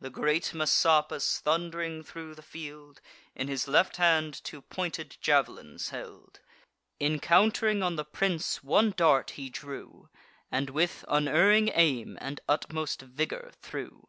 The great Messapus, thund'ring thro' the field, In his left hand two pointed jav'lins held: Encount'ring on the prince, one dart he drew, And with unerring aim and utmost vigour threw.